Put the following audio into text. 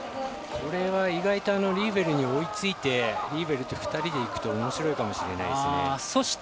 これは意外とリーベルに追いついてリーベルと２人で行くとおもしろいかもしれません。